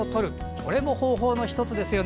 これも方法の１つですよね。